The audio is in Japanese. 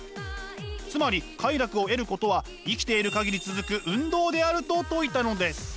つまり快楽を得ることは生きている限り続く運動であると説いたのです。